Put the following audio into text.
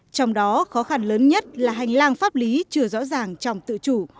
trong đó khó khăn lớn nhất là hành lang pháp lý chưa rõ ràng trong tự chủ